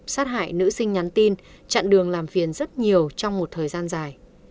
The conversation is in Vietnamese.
sát hại nữ sinh nhắn tin chặn đường làm phiền rất nhiều trong một thời gian dài